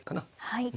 はい。